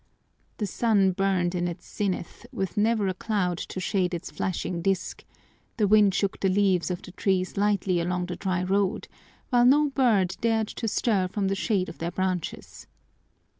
The sun burned in its zenith with never a cloud to shade its flashing disk; the wind shook the leaves of the trees lightly along the dry road, while no bird dared stir from the shade of their branches.